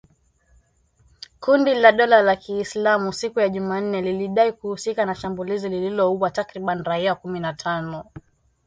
Kundi la dola ya kiisilamu siku ya Jumanne lilidai kuhusika na shambulizi lililoua takribani raia kumi na tano